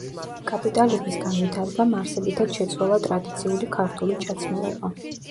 კაპიტალიზმის განვითარებამ არსებითად შეცვალა ტრადიციული ქართული ჩაცმულობა.